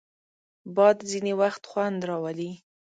باد ځینې وخت خوند راولي